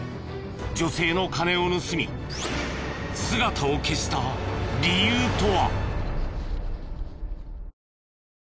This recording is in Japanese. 女性の金を盗み姿を消した理由とは？